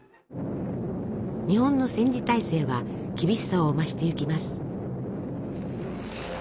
日本の戦時体制は厳しさを増していきます。